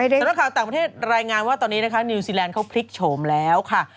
แต่หากข้างต่ำเทศลายงานว่าตอนนี้นิวซีแลนด์เขาพริกโฉมแล้วค่ะ